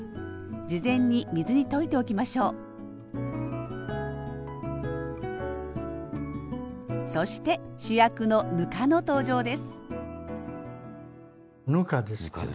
事前に水に溶いておきましょうそして主役のぬかの登場ですぬかですけど。